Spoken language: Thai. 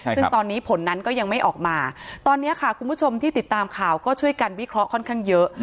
ซึ่งตอนนี้ผลนั้นก็ยังไม่ออกมาตอนนี้ค่ะคุณผู้ชมที่ติดตามข่าวก็ช่วยกันวิเคราะห์ค่อนข้างเยอะ